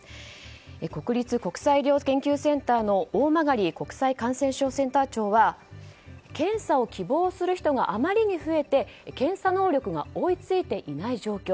国立国際医療研究センターの大曲国際感染症センター長は検査を希望する人があまりに増えて検査能力が追い付いていない状況。